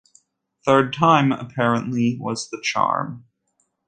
Third time, apparently, was the charm.